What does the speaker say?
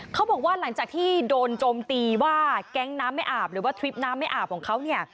เขาบอกว่าหลังจากที่โดนโจมตีว่าแก๊งน้ำไม่อาบหรือว่าทริปน้ำไม่อาบของเขาเนี่ย